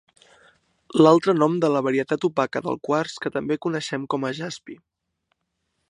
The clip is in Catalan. L'altre nom de la varietat opaca del quars que també coneixem com a jaspi.